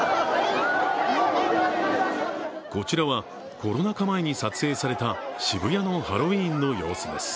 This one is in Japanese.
こちらはコロナ禍前に撮影された渋谷のハロウィーンの様子です。